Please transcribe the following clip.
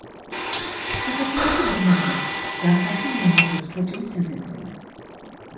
საქართველოში ბინადრობს, ზამთარში ნომადობს საჭმლის საძებნელად.